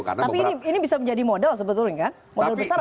tapi ini bisa menjadi model sebetulnya kan model besar atau tidak